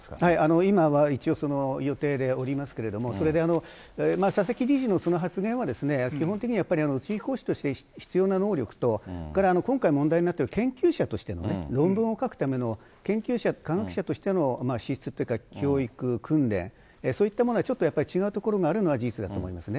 今は一応、予定でおりますけれども、それで佐々木理事のその発言は基本的にはやっぱり、宇宙飛行士として必要な能力と、それから今回問題になっている研究者としての論文を書くための研究者、科学者としての資質というか教育、訓練、そういったものはちょっとやっぱり違う所があるのは事実だと思いますね。